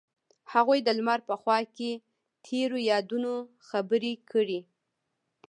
هغوی د لمر په خوا کې تیرو یادونو خبرې کړې.